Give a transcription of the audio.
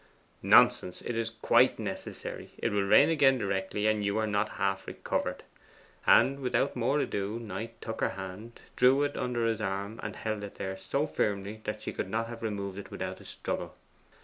'Nonsense: it is quite necessary; it will rain again directly, and you are not half recovered.' And without more ado Knight took her hand, drew it under his arm, and held it there so firmly that she could not have removed it without a struggle.